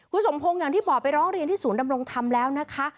คุณสมพงศ์อย่างที่บอกไปร้องเรียนที่ศูนย์ดำรงธรรมแล้วนะคะ